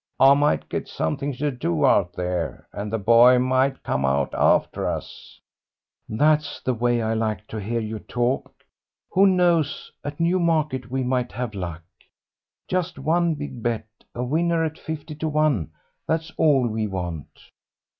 I might get something to do out there, and the boy might come out after us." "That's the way I like to hear you talk. Who knows, at Newmarket we might have luck! Just one big bet, a winner at fifty to one, that's all we want."